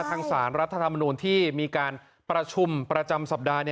ทางสารรัฐธรรมนูลที่มีการประชุมประจำสัปดาห์